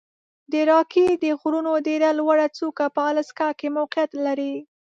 د راکي د غرونو ډېره لوړه څوکه په الاسکا کې موقعیت لري.